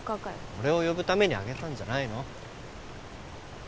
俺を呼ぶためにあげたんじゃないの？